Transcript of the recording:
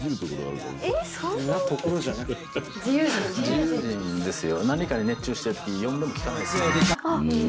自由人ですよ。